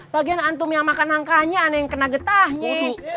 bagian antum yang makan angkanya ana yang kena getahnya